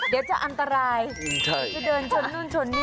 เดี๋ยวจะอันตรายจะเดินชนนู่นชนนี่